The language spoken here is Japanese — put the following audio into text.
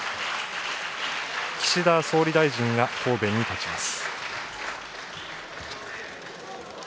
岸田総理大臣が答弁に立ちます。